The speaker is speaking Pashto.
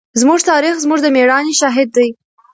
زموږ تاریخ زموږ د مېړانې شاهد دی.